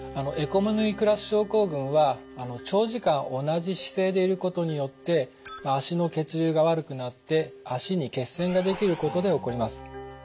エコノミークラス症候群は長時間同じ姿勢でいることによって脚の血流が悪くなって脚に血栓ができることで起こります。